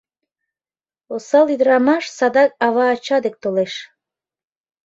Осал ӱдырамаш садак ава-ача дек толеш.